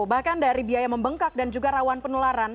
bahkan dari biaya membengkak dan juga rawan penularan